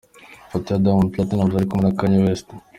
Ifoto ya Diamond Platnumz ari kumwe na Kanye West.